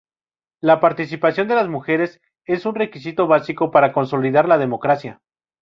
La participación de las mujeres es un requisito básico para consolidar la democracia.